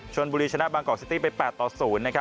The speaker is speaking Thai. ชนบุรีชนะบางกอกซิตี้ไป๘ต่อ๐